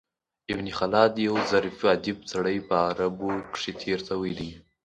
ابن خلاد یو ظریف ادیب سړی په عربو کښي تېر سوى دﺉ.